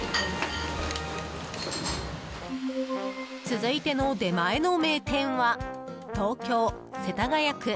続いての出前の名店は東京・世田谷区。